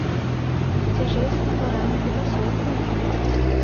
Цяжэй з хутарамі ды пасёлкамі.